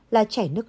là chảy nước mắt